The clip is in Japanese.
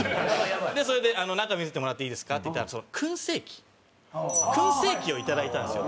それで「中見せてもらっていいですか？」って言ったら燻製機燻製機をいただいたんですよ。